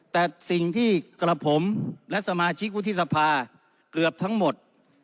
แต่สิ่งที่กระผมและสมาชิกวุฒิสภาเกือบทั้งหมด